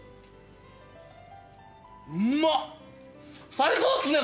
最高っすね